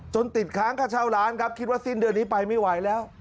ติดค้างค่าเช่าร้านครับคิดว่าสิ้นเดือนนี้ไปไม่ไหวแล้ว